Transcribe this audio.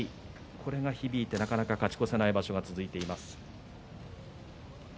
これが響いて、なかなか勝ち越せない場所が続いています。